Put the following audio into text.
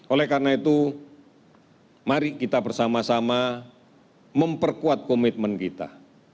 oleh karena itu mari kita bersama sama memperkuat komitmen kita